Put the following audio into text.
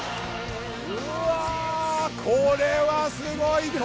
うわこれはすごい！